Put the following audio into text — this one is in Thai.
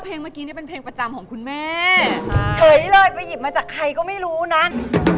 พี่นานตันตีออกเพราะว่างไม่เหล้าเหงาช้วยไปเล่ะที่บ้าน